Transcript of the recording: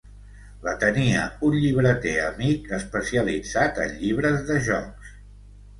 La tenia un llibreter amic especialitzat en llibres de jocs.